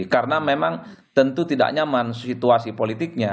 karena memang tentu tidak nyaman situasi politiknya